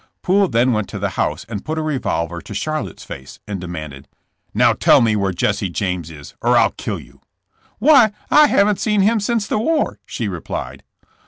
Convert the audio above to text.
Poole then went to the house and put a revolver to Charlotte 's face and demanded : *'Now tell me where Jesse James is or I'll kill you. '' *'Why, I haven' seen him since the war," she replied.